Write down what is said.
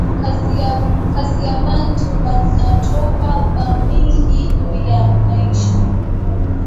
Kasayi batu banatoka ba mingi juya maisha